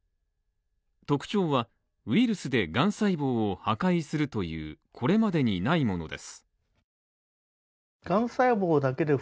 特徴は、ウイルスでがん細胞を破壊するというこれまでにないものです。